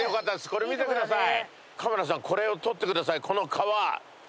これ見てください。